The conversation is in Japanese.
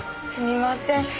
すみません。